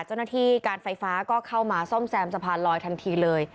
เจ้าหน้าที่การไฟฟ้าก็เข้ามาซ่อมแซมสะพานลอยทันทีเลย